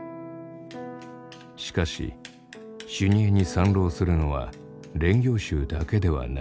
しかし修二会に参籠するのは練行衆だけではない。